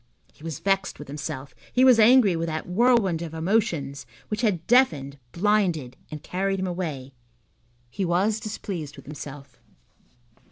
He was vexed with himself, he was angry with that whirlwind of emotions which had deafened, blinded, and carried him away. He was displeased with himself.